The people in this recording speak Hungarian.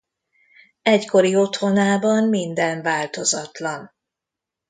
Egykori otthonában minden változatlan.